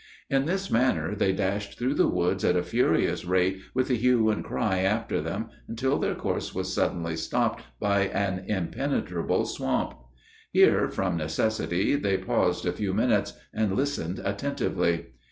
In this manner, they dashed through the woods at a furious rate with the hue and cry after them, until their course was suddenly stopped by an impenetrable swamp. Here, from necessity, they paused a few minutes, and listened attentively.